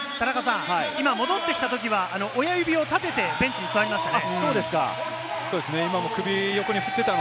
今、戻ってきたときは親指を立ててベンチに座りましたね。